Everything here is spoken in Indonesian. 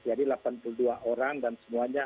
jadi delapan puluh dua orang dan semuanya